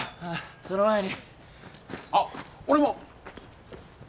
その前にあっ俺も！